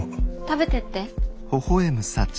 食べてって。